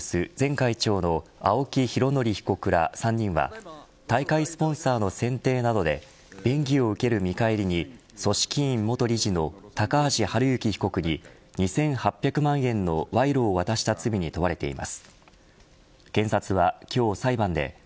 ＡＯＫＩホールディングス前会長の青木拡憲被告ら３人は大会スポンサーの選定などで便宜を受ける見返りに組織委元理事の高橋治之被告に２８００万円の賄賂を渡した罪に問われています。